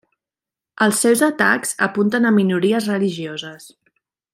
Els seus atacs apunten a minories religioses.